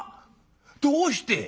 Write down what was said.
どうして？